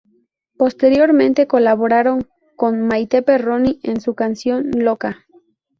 Posteriormente colaboraron con Maite Perroni en su canción "Loca".